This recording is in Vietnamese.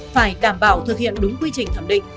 phải đảm bảo thực hiện đúng quy trình thẩm định